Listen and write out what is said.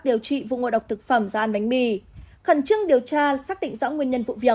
điều trị vụ ngộ độc thực phẩm do ăn bánh mì khẩn trương điều tra xác định rõ nguyên nhân vụ việc